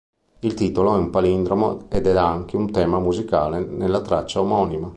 Il titolo è un palindromo ed è anche un tema musicale nella traccia omonima.